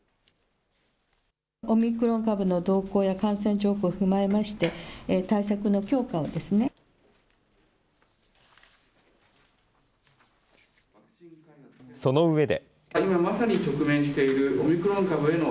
オミクロン株の感染や感染状況を踏まえまして、対策の強化をその上で。